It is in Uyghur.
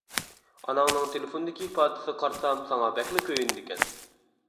ئاناڭنىڭ تېلېفوندىكى ئىپادىسىگە قارىسام ساڭا بەكلا كۆيۈنىدىكەن.